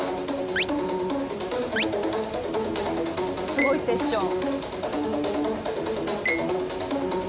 すごいセッション。